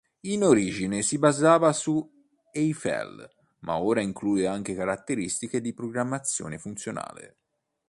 In origine si basava su Eiffel ma ora include anche caratteristiche di programmazione funzionale.